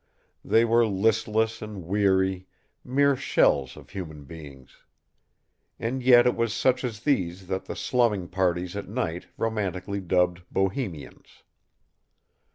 They were listless and weary, mere shells of human beings. And yet it was such as these that the slumming parties at night romantically dubbed bohemians.